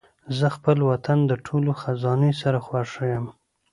زه خپل وطن د ټولو خزانې سره خوښ یم.